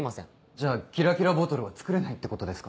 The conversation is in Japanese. じゃあキラキラボトルは作れないってことですか？